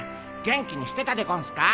元気にしてたでゴンスか？